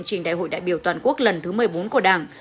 trình đại hội đại biểu toàn quốc lần thứ một mươi bốn của đảng